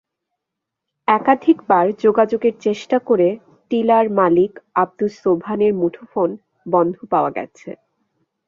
একাধিকবার যোগাযোগের চেষ্টা করে টিলার মালিক আবদুস ছোবহানের মুঠোফোন বন্ধ পাওয়া গেছে।